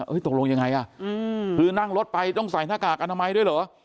ตกลงยังไงอ่ะคือนั่งรถไปต้องใส่หน้ากากอนามัยด้วยเหรอ